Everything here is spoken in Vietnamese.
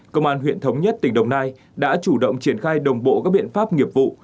công an huyện thống nhất tỉnh đồng nai đã chủ động triển khai đồng bộ các biện pháp nghiệp vụ